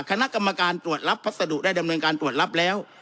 คณะกรรมการตรวจรับพัสดุได้ดำเนินการตรวจรับแล้ว